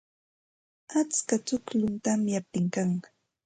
Atska tukllum tamyaptin kan.